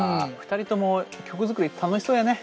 ２人とも曲作り楽しそうやね。